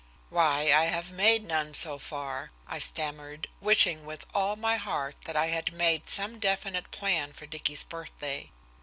"Why, I have made none so far," I stammered, wishing with all my heart that I had made some definite plan for Dicky's birthday.